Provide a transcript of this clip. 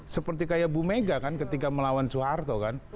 seperti kayak bu mega kan ketika melawan soeharto kan